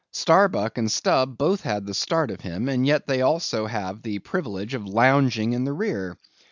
Starbuck and Stubb both had the start of him; and yet they also have the privilege of lounging in the rear.